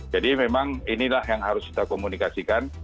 jadi memang inilah yang harus kita komunikasikan